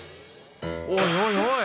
おいおいおい！